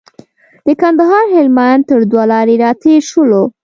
د کندهار هلمند تر دوه لارې راتېر شولو.